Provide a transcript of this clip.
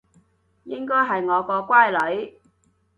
應該係我個乖女